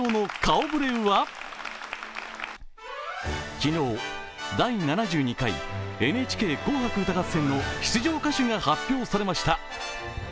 昨日、「第７２回ＮＨＫ紅白歌合戦」の出場歌手が発表されました。